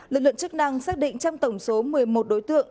lực lượng chức năng xác định trong tổng số một mươi một đối tượng